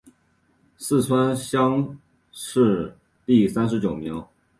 四川乡试第三十九名。